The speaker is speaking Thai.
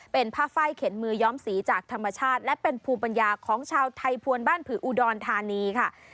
เป็นผ้าไฟเข็นมือย้อมสีจากธรรมชาติและเป็นภูมิปัญญาของชาวไทยภวรบ้านผืออุดรธานีค่ะ